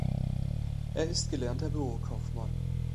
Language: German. Er ist gelernter Bürokaufmann.